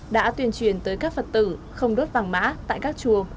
đã tuyên truyền tới các phật tử không đốt vàng mã tại các chùa